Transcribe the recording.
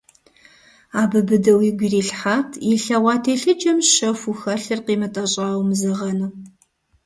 Абы быдэу игу ирилъхьат илъэгъуа телъыджэм щэхуу хэлъыр къимытӀэщӀауэ мызэгъэну.